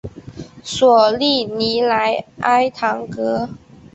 索利尼莱埃唐格。